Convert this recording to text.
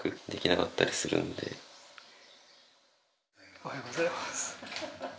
おはようございます。